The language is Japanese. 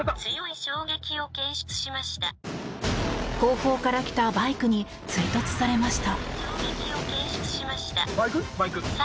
後方から来たバイクに追突されました。